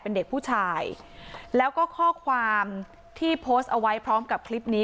เป็นเด็กผู้ชายแล้วก็ข้อความที่โพสต์เอาไว้พร้อมกับคลิปนี้